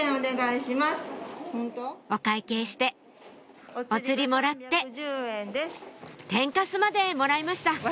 お会計してお釣りもらって天かすまでもらいました